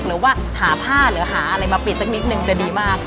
หรือว่าหาผ้าหรือหาอะไรมาปิดสักนิดนึงจะดีมาก